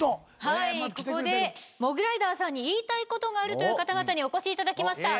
はいここでモグライダーさんに言いたいことがあるという方々にお越しいただきましたどうぞ。